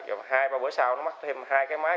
rồi hai ba bữa sau nó mất thêm hai cái máy